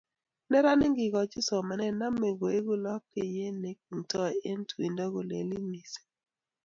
neranik ngekoch somanet neimei koeku lapkeiyet neikwengtoi eng tuindo kolelit missing